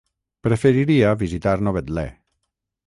Preferiria visitar Novetlè.